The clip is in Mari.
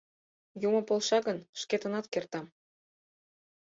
Юмо полша гын, шкетынат кертам.